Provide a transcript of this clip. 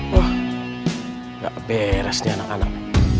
wah gak beres di anak anak